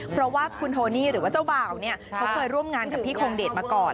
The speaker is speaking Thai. เพราะว่าคุณโทนี่หรือว่าเจ้าบ่าวเนี่ยเขาเคยร่วมงานกับพี่คงเดชมาก่อน